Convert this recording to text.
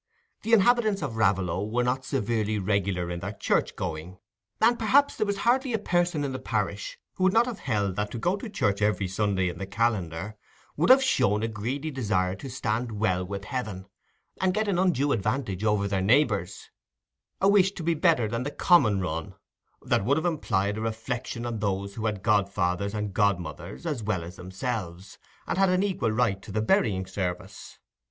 The inhabitants of Raveloe were not severely regular in their church going, and perhaps there was hardly a person in the parish who would not have held that to go to church every Sunday in the calendar would have shown a greedy desire to stand well with Heaven, and get an undue advantage over their neighbours—a wish to be better than the "common run", that would have implied a reflection on those who had had godfathers and godmothers as well as themselves, and had an equal right to the burying service.